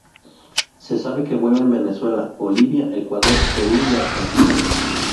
Se sabe que vuela en Venezuela, Bolivia, Ecuador, Perú y Argentina.